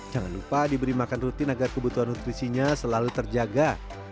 jangan lupa diberi makan rutin agar kebutuhan nutrisinya selalu terjaga